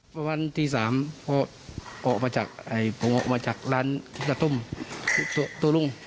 วันวันที๓พ่อออกมาจากร้านพิจธรรมโตลุ่ง